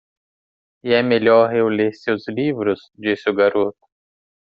"E é melhor eu ler seus livros?" disse o garoto.